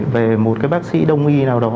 về một cái bác sĩ đông y nào đó